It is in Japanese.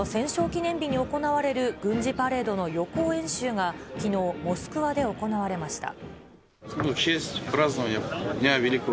記念日に行われる軍事パレードの予行演習がきのう、モスクワで行われました。